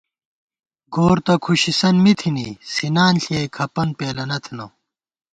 گور تہ کھُشِسن می تھنی، سِنان ݪِیَئی کھپَن پېلَنہ تھنہ